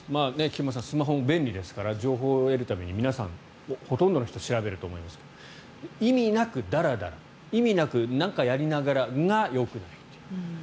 菊間さん、スマホ便利ですから情報を得るために皆さんほとんどの人調べると思いますが意味なくだらだら意味なく何かやりながらがよくないという。